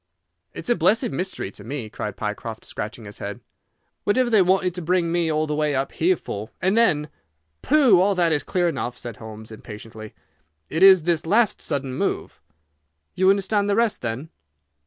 "It's a blessed mystery to me," cried Pycroft, scratching his head. "Whatever they wanted to bring me all the way up here for, and then—" "Pooh! All that is clear enough," said Holmes impatiently. "It is this last sudden move." "You understand the rest, then?"